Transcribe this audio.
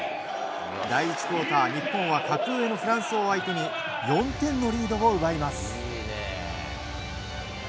第１クオーター、日本は格上のフランスを相手に４点のリードを奪います。